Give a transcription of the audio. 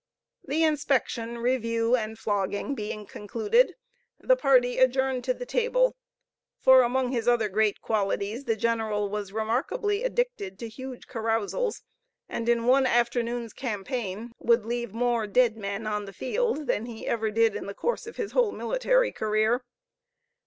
The inspection, review, and flogging being concluded, the party adjourned to the table; for, among his other great qualities, the general was remarkably addicted to huge carousals, and in one afternoon's campaign would leave more dead men on the field than he ever did in the whole course of his military career.